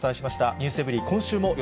ｎｅｗｓｅｖｅｒｙ．今週もよ